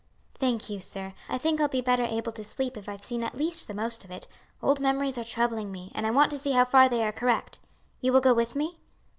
"Thank you, sir, I think I'll be better able to sleep if I've seen at least the most of it; old memories are troubling me, and I want to see how far they are correct You will go with me?"